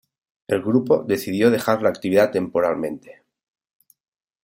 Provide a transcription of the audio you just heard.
El grupo decidió dejar la actividad temporalmente.